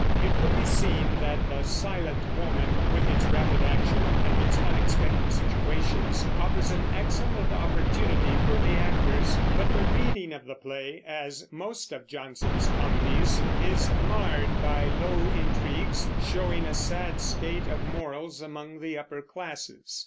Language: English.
It will be seen that the Silent Woman, with its rapid action and its unexpected situations, offers an excellent opportunity for the actors; but the reading of the play, as of most of Jonson's comedies, is marred by low intrigues showing a sad state of morals among the upper classes.